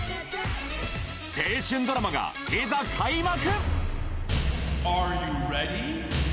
青春ドラマがいざ、開幕。